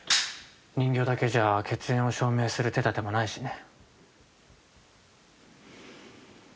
「人形だけじゃ血縁を証明する手だてもないしね」